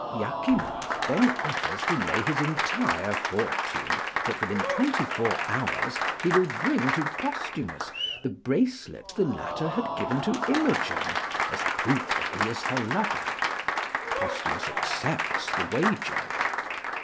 Iachimo then offers to lay his entire fortune that, within twenty four hours, he will bring to Posthumus the bracelet the latter had given to Imogen, as proof that he is her lover. Posthumus accepts the wager.